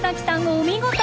お見事！